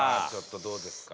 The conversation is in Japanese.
どうですか？